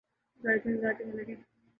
گاڑی کا انتظار کرنے لگے